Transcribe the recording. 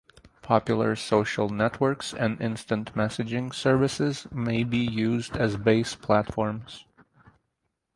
Popular social networks and instant messaging services may be used as base platforms.